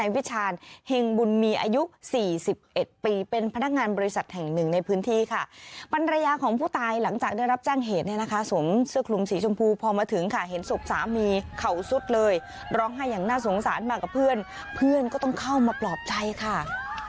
ปันระยะของผู้ตายหลังจากได้รับแจ้งเหตุเนี่ยนะคะสวงเสื้อคลุงสีชมพูพอมาถึงค่ะเห็นศพสามีเข่าสุดเลยร้องให้อย่างน่าสงสารมากกับเพื่อนเพื่อนก็ต้องเข้ามาปลอบใจค่ะ